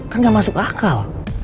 kan gak masuk akal